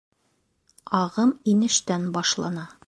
Ағым инештән башлана.